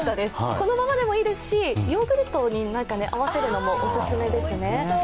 このままでもいいですし、ヨーグルトに合わせるのもオススメですね。